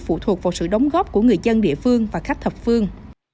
phụ thuộc vào sự đóng góp của người dân địa phương và khách thập phương